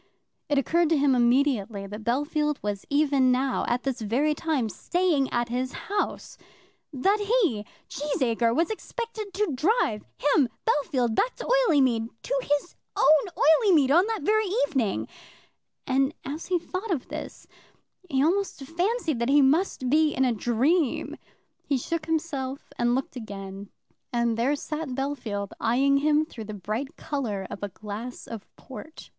It occurred to him immediately that Bellfield was even now, at this very time, staying at his house, that he, Cheesacre, was expected to drive him, Bellfield, back to Oileymead, to his own Oileymead, on this very evening; and as he thought of this he almost fancied that he must be in a dream. He shook himself, and looked again, and there sat Bellfield, eyeing him through the bright colour of a glass of port.